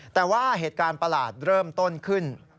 แต่ว่าเหตุการณ์ประหลาดเริ่มต้นขึ้น